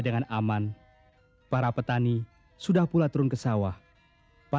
pernah banyakarian keluar kerugian ini